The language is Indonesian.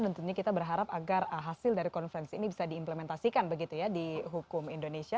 tentunya kita berharap agar hasil dari konferensi ini bisa diimplementasikan begitu ya di hukum indonesia